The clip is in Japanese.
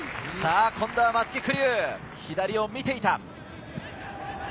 今度は松木玖生、左を見ていた。